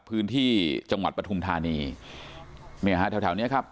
พื้นที่จังหวัดปฐุมธานีเนี่ยฮะแถวแถวเนี้ยครับ